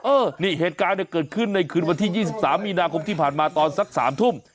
เออนี่เหตุการณ์เนี่ยเกิดขึ้นในคืนวันที่๒๓มีนาคมที่ผ่านมาตอนสัก๓ทุ่ม